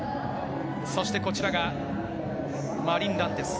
そして、こちらがマリン・ランテス。